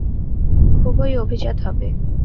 খুবই অভিজাত হবে!